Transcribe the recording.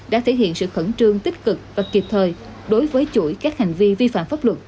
đã thể hiện sự khẩn trương tích cực và kịp thời đối với chuỗi các hành vi vi phạm pháp luật